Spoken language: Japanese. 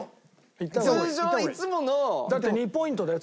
通常いつもの。だって２ポイントだよ